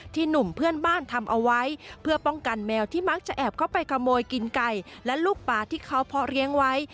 หนุ่มเพื่อนบ้านทำเอาไว้เพื่อป้องกันแมวที่มักจะแอบเข้าไปขโมยกินไก่และลูกป่าที่เขาเพาะเลี้ยงไว้